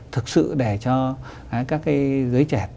thực sự để cho các cái giới trẻ